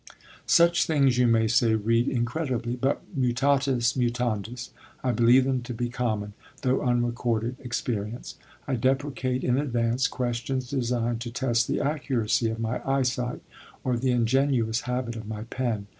Such things, you may say, read incredibly, but, mutatis mutandis, I believe them to be common, though unrecorded, experience. I deprecate in advance questions designed to test the accuracy of my eyesight or the ingenuous habit of my pen.